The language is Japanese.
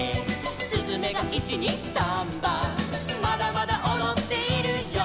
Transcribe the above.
「すずめが１・２・サンバ」「まだまだおどっているよ」